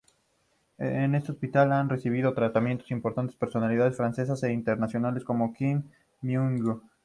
En este hospital han recibido tratamiento importantes personalidades francesas e internacionales, como Kylie Minogue.